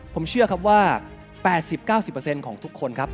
ผมเชื่อครับว่า๘๐๙๐ของทุกคนครับ